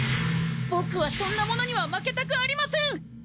ボクはそんな者には負けたくありません！